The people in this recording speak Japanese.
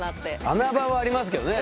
穴場はありますけどね。